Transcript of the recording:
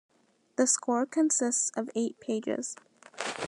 The score consists of eight pages.